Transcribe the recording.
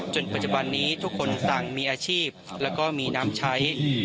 จนปัจจุบันนี้ทุกคนต่างมีอาชีพแล้วก็มีน้ำใช้